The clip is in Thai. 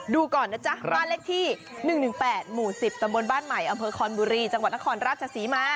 ก่อนนะจ๊ะบ้านเลขที่๑๑๘หมู่๑๐ตำบลบ้านใหม่อำเภอคอนบุรีจังหวัดนครราชศรีมา